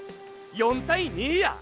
４対２や！